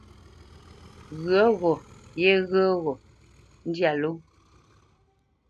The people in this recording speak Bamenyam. Ghyə̌ gho yéghyə́ gho ndyâ ló.